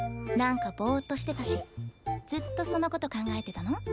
なんかぼうっとしてたしずっとそのこと考えてたの？